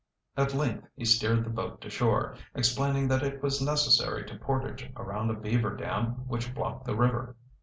At length he steered the boat to shore, explaining that it was necessary to portage around a beaver dam which blocked the river.